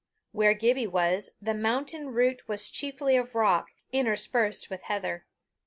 Where Gibbie was, the mountain root was chiefly of rock, interspersed with heather.